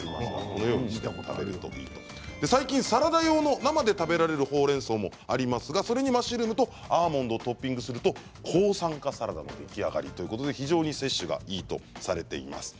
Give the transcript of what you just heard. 最近サラダ用の生で食べられるほうれんそうもありますがそれにマッシュルームとアーモンドをトッピングすると抗酸化サラダが出来上がりということで非常に摂取がいいとされています。